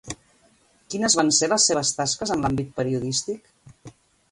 Quines van ser les seves tasques en l'àmbit periodístic?